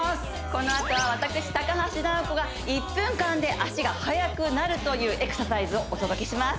このあとは私高橋尚子が１分間で足が速くなるというエクササイズをお届けします